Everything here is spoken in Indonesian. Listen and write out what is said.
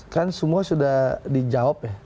kan semua sudah dijawab ya